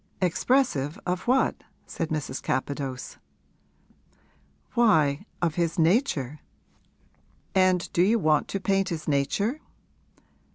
'Expressive of what?' said Mrs. Capadose. 'Why, of his nature.' 'And do you want to paint his nature?'